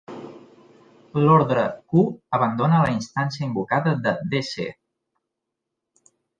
L'ordre 'q' abandona la instància invocada de dc.